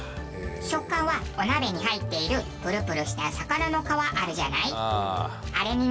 食感はお鍋に入っているプルプルした魚の皮あるじゃない。